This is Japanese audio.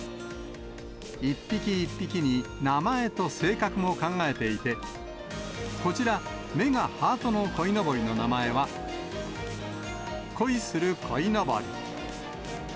一匹一匹に名前と性格も考えていて、こちら、目がハートのこいのぼりの名前は、恋するこいのぼり。